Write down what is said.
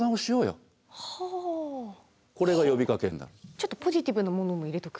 ちょっとポジティブなものも入れとく。